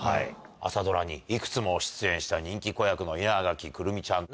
朝ドラにいくつも出演した人気子役の稲垣来泉ちゃん。